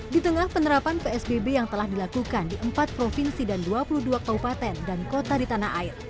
di tengah penerapan psbb yang telah dilakukan di empat provinsi dan dua puluh dua kabupaten dan kota di tanah air